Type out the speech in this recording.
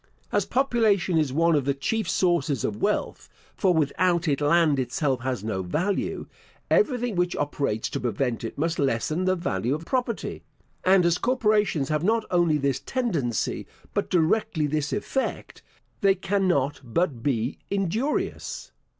As population is one of the chief sources of wealth (for without it land itself has no value), everything which operates to prevent it must lessen the value of property; and as corporations have not only this tendency, but directly this effect, they cannot but be injurious.